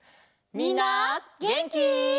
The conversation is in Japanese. みんなげんき？